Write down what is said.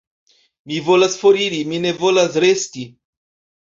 Mi volas foriri, mi ne volas resti.